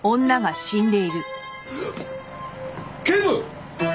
警部！